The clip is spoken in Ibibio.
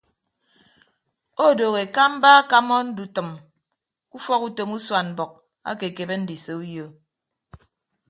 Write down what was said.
Odooho ekamba akama ndutʌm ke ufọk utom usuan mbʌk ake ekebe ndise uyo.